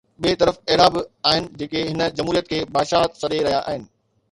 ٻئي طرف اهڙا به آهن جيڪي هن جمهوريت کي بادشاهت سڏي رهيا آهن.